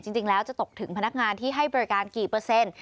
จริงแล้วจะตกถึงพนักงานที่ให้บริการกี่เปอร์เซ็นต์